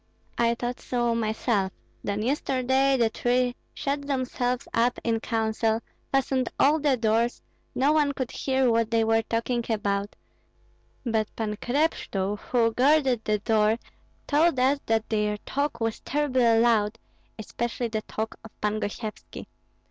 I thought so myself; then yesterday the three shut themselves up in counsel, fastened all the doors, no one could hear what they were talking about; but Pan Krepshtul, who guarded the door, told us that their talk was terribly loud, especially the talk of Pan Gosyevski.